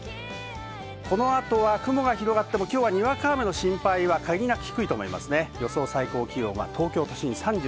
この後、雲が広がっても、にわか雨の心配は限りなく低いと思います。